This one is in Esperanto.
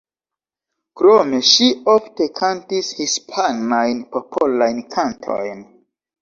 Krome, ŝi ofte kantis hispanajn popolajn kantojn.